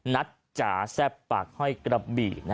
จ๋าแซ่บปากห้อยกระบี่